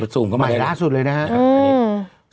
ด็อกสูมเข้ามาได้เลยนะครับกับไปล่าสุดเลยนะครับ